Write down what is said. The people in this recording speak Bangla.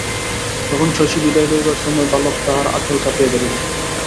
তখন শশী বিদায় লইবার সময় বালক তাহার আঁচল চাপিয়া ধরিল।